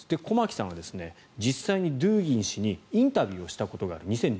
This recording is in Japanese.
駒木さんは実際にドゥーギン氏にインタビューをしたことがある。